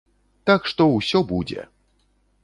Так што, усё будзе!